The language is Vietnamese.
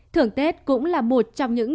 thưởng tết cũng là một trong những